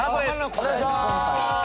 お願いします。